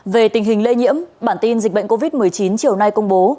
về tình hình lây nhiễm bản tin dịch bệnh covid một mươi chín chiều nay công bố